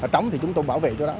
trống thì chúng tôi bảo vệ chỗ đó